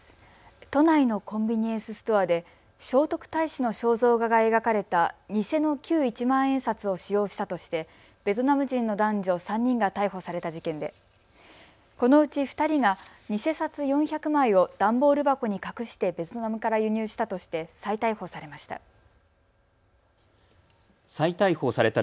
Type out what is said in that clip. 都内のコンビニエンスストアで聖徳太子の肖像画が描かれた偽の旧一万円札を使用したとしてベトナム人の男女３人が逮捕された事件でこのうち２人が偽札４００枚を段ボール箱に隠してベトナムから輸入したとして再逮捕されました。